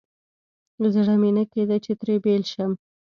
زړه مې نه کېده چې ترې بېل شم.